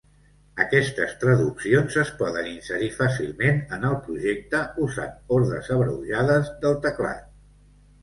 Aquestes traduccions es poden inserir fàcilment en el projecte usant ordes abreujades del teclat.